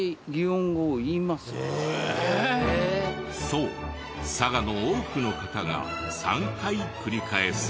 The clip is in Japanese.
そう佐賀の多くの方が３回繰り返す。